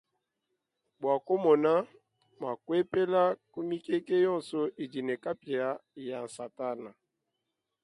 Bua kumona mua kuepela ku mikete yonso idi ne kapia ya satana.